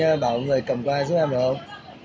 dạ thế anh bảo người cầm gói giúp em được không